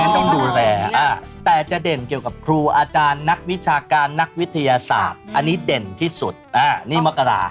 ต้องดูแลแต่จะเด่นเกี่ยวกับครูอาจารย์นักวิชาการนักวิทยาศาสตร์อันนี้เด่นที่สุดนี่มกรา